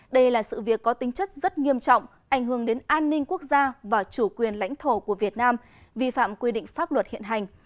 đây là sự việc có tính chất rất nghiêm trọng ảnh hưởng đến an ninh quốc gia và chủ quyền lãnh thổ của việt nam vi phạm quy định pháp luật hiện hành